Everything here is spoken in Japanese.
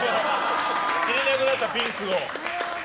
着れなくなった、ピンクを。